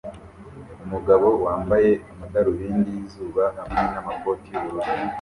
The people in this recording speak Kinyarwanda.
Umugabo wambaye amadarubindi yizuba hamwe namakoti yubururu